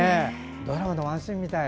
ドラマのワンシーンみたい。